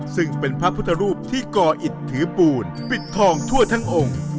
ซึ่งเป็นพระพุทธรูปที่ก่ออิดถือปูนปิดทองทั่วทั้งองค์